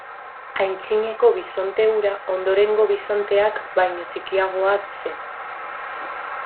Aintzineko bisonte hura ondorengo bisonteak baino txikiagoa zen.